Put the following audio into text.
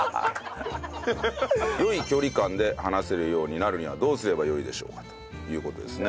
よい距離感で話せるようになるにはどうすればよいでしょうかという事ですね。